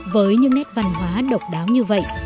với những nét văn hóa độc đáo như vậy